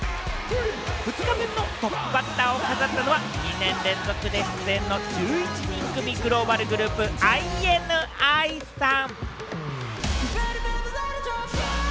２日目のトップバッターを飾ったのは２年連続で出演の１１人組グローバルグループ・ＩＮＩさん。